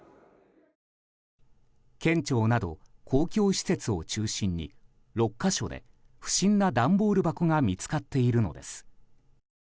県庁など公共施設を中心に６か所で不審な段ボール箱が見つかっているのです。